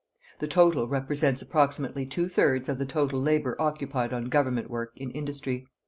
The total represents approximately two thirds of the total labour occupied on Government work in industry.